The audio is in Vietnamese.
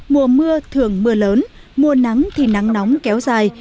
mùa mưa thường mưa lớn mùa nắng thì nắng nóng kéo dài